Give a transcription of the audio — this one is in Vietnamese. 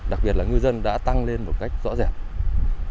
đặc biệt là ngư dân đã tăng lên một cách rõ rệt